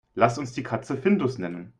Lass uns die Katze Findus nennen.